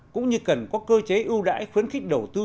cũng như cần có cơ chế ưu đãi khuyến khích đầu tư